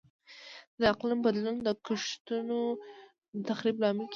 د اقلیم بدلون د کښتونو د تخریب لامل کیږي.